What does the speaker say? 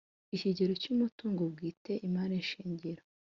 Ikigero cy umutungo bwite imari shingiro